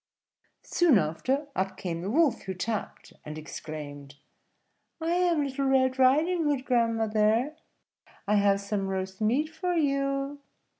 Soon after, up came the Wolf, who tapped, and exclaimed, "I am Little Red Riding Hood, grandmother; I have some roast meat for you."